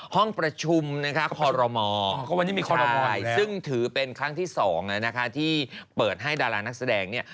ห้องประชุมนะคะคอรมอวันนี้มีคอรมอลซึ่งถือเป็นครั้งที่๒นะคะที่เปิดให้ดารานักแสดงเนี่ย